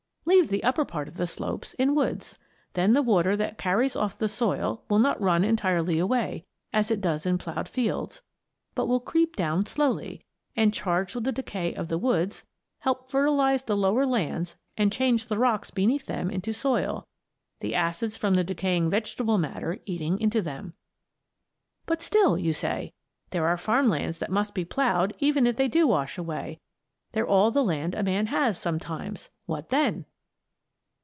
Leave the upper part of the slopes in the woods. Then the water that carries off the soil will not run entirely away, as it does in ploughed fields, but will creep down slowly, and, charged with the decay of the woods, help fertilize the lower lands and change the rocks beneath them into soil the acids from the decaying vegetable matter eating into them. "But still," you say, "there are farm lands that must be ploughed even if they do wash away; they're all the land a man has, sometimes. What then?"